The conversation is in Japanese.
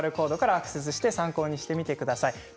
ＱＲコードからアクセスして参考にしてみてください。